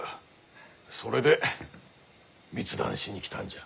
それで密談しに来たんじゃ。